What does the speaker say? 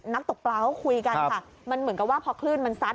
ตกปลาเขาคุยกันค่ะมันเหมือนกับว่าพอคลื่นมันซัด